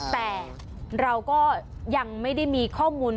แต่เราก็ยังไม่ได้มีข้อมูล